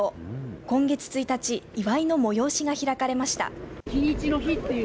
今月１日祝いの催しが開かれました。